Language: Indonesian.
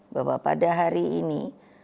bahwa pada hari ini